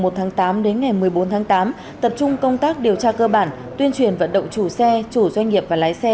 từ tháng tám đến ngày một mươi bốn tháng tám tập trung công tác điều tra cơ bản tuyên truyền vận động chủ xe chủ doanh nghiệp và lái xe